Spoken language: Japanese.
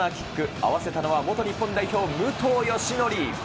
合わせたのは元日本代表、武藤嘉紀。